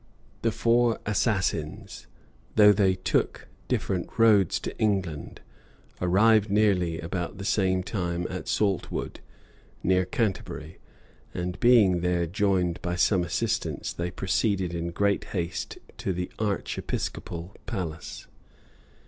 The four assassins, though they took different roads to England, arrived nearly about the same time at Saltwoode, near Canterbury; and being there joined by some assistants, they proceeded in a great haste to the archiepiscopal palace.